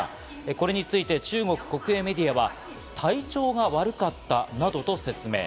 これについて中国国営メディアは体調が悪かったなどと説明。